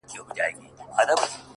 راته ښكلا راوړي او ساه راكړي؛